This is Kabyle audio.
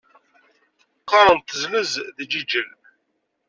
Qqaren-d tezlez deg Jijel.